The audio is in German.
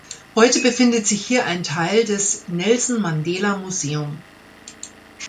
Heute befindet sich hier ein Teil des "Nelson Mandela Museum.